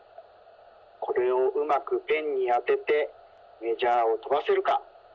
これをうまくペンにあててメジャーをとばせるか。